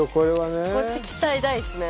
こっち期待大っすね。